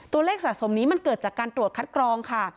ตัวเลขสะสมนี้มันเกิดจากการตรวจคัดกรองค่ะ